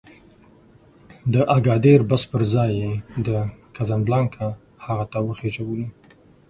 د اګادیر بس پر ځای د کزنبلاکه هغه ته وخېژولو.